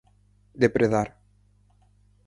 Depredar.